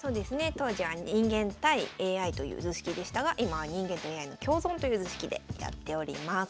当時は人間対ＡＩという図式でしたが今は人間とＡＩの共存という図式でやっております。